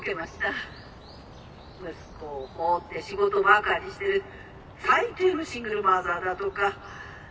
息子を放って仕事ばかりしてる最低のシングルマザーだとか。